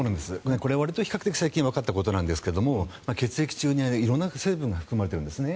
わりと比較的最近わかったことなんですが血液中には色んな成分が含まれているんですね。